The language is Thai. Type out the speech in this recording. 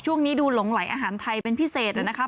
ช่วงนี้ดูหลงไหลอาหารไทยเป็นพิเศษนะครับ